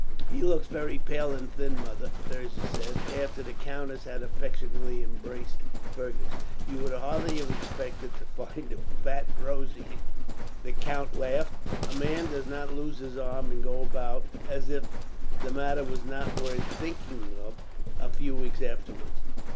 "He looks very pale and thin, mother," Thirza said, after the countess had affectionately embraced Fergus. "You would hardly have expected to find him fat and rosy," the count laughed. "A man does not lose his arm, and go about as if the matter was not worth thinking of, a few weeks afterwards.